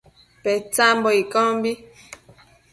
Petsambo iccombi